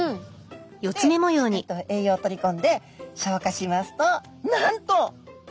そしてしっかりと栄養を取りこんで消化しますとなんと！